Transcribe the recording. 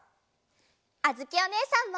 あづきおねえさんも！